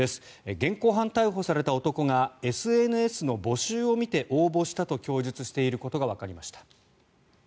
現行犯逮捕された男がＳＮＳの募集を見て応募したと供述していることがわかりました。